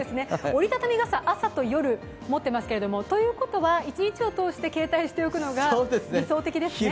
折り畳み傘、朝と夜に持っていますが、ということは、一日を通して携帯しておくのが理想的ですね。